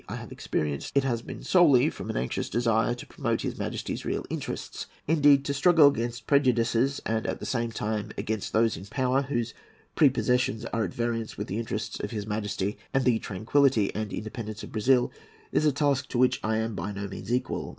I have experienced, it has been solely from an anxious desire to promote his Majesty's real interests. Indeed, to struggle against prejudices, and at the same time against those in power whose prepossessions are at variance with the interests of his Majesty and the tranquillity and independence of Brazil, is a task to which I am by no means equal.